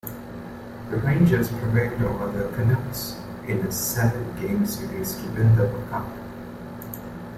The Rangers prevailed over the Canucks in a seven-game series to win the Cup.